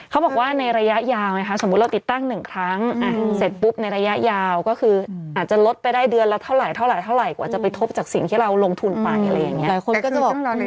เขาบอกว่าในระยะยาวไงคะสมมุติเราติดตั้ง๑ครั้งเสร็จปุ๊บในระยะยาวก็คืออาจจะลดไปได้เดือนละเท่าไหรเท่าไหร่กว่าจะไปทบจากสิ่งที่เราลงทุนไปอะไรอย่างนี้หลายคนก็จะบอก